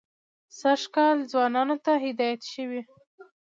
سږ کال ځوانانو ته هدایت شوی.